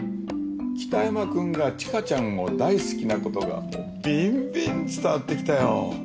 北山君が知花ちゃんを大好きなことがビンビン伝わってきたよ。